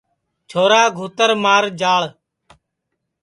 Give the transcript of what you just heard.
چھورا گھُوتر مار جاݪ